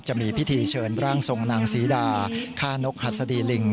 จะมีพิธีเชิญร่างทรงนางศรีดาฆ่านกหัสดีลิง